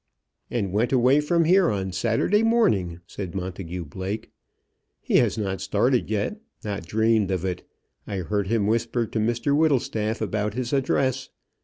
"And went away from here on Saturday morning!" said Montagu Blake. "He has not started yet, not dreamed of it. I heard him whisper to Mr Whittlestaff about his address.